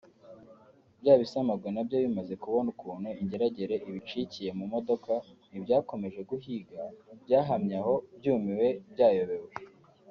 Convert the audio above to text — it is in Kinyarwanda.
Bya bisamagwe nabyo bimaze kubona ukuntu ingeragere ibicikiye mu modoka ntibyakomeje guhiga byahamye aho byumiwe byayobewe